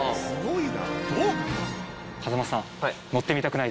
すごいな！